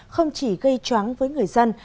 không chỉ gây chóng với người dân